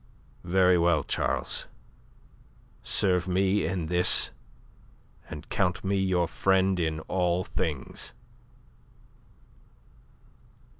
"Very well, Charles. Serve me in this, and count me your friend in all things."